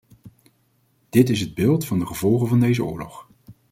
Dit is het beeld van de gevolgen van deze oorlog.